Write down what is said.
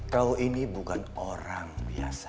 kau ini bukan orang biasa